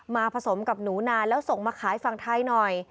ผสมกับหนูนานแล้วส่งมาขายฝั่งไทยหน่อย